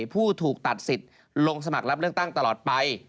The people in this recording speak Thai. ผู้ถูกตัดสิทธิ์ลงสมัครรับเลือกตั้งตลอดไป